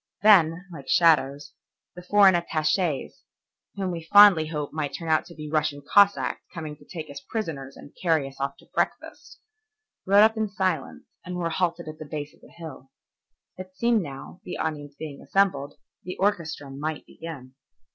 Then, like shadows, the foreign attaches, whom we fondly hoped might turn out to be Russian Cossacks coming to take us prisoners and carry us off to breakfast, rode up in silence and were halted at the base of the hill. It seemed now, the audience being assembled, the orchestra might begin.